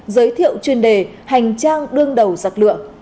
giới thiệu chuyên đề hành trang đương đầu giặc lựa